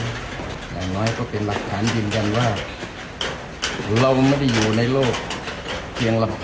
อย่างน้อยก็เป็นหลักฐานยืนยันว่าเราไม่ได้อยู่ในโลกเพียงลำพัง